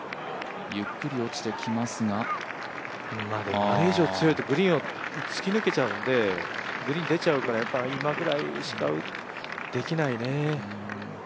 ゆっくり落ちてきますがあれ以上強いとグリーンを突き抜けちゃうんでグリーン出ちゃうから今ぐらいしかできないね。